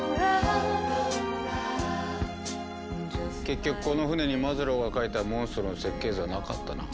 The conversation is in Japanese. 結局この船にマズローが描いたモンストロの設計図はなかったな。